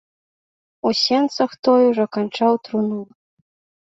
У сенцах той ужо канчаў труну.